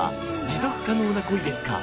「持続可能な恋ですか？